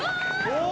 ・お！